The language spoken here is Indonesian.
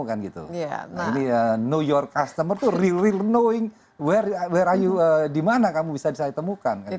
know your customer itu real real knowing where are you di mana kamu bisa saya temukan